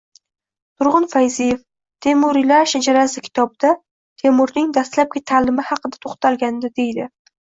Turg‘un Fayziev «Temuriylar shajarasi» kitobida Temurning dastlabki ta'limi haqida to‘xtalganda deydi: